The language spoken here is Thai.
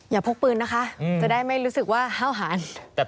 อย่าพกปืนนะคะจะได้ไม่รู้สึกว่าเฮ้าหาญ